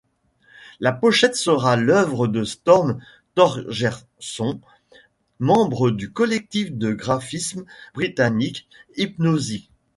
La pochette sera l'œuvre de Storm Thorgerson membre du collectif de graphisme britannique Hipgnosis.